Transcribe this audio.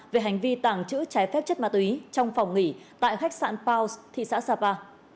về hành vi tàng trữ trái phép chất ma túy trong phòng nghỉ tại khách sạn paos thị xã sapa